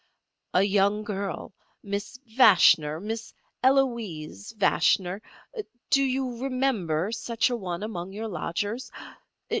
"A young girl—Miss Vashner—Miss Eloise Vashner—do you remember such a one among your lodgers?